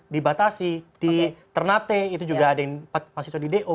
dibatasi di ternate itu juga ada yang mahasiswa di do